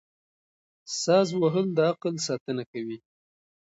ساز وهل د عقل ساتنه کوي.